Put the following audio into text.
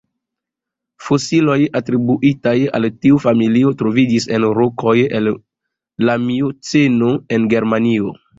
Fosilioj atribuitaj al tiu familio troviĝis en rokoj el la Mioceno en Germanio.